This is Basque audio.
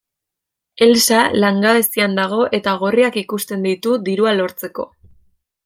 Elsa langabezian dago eta gorriak ikusten ditu dirua lortzeko.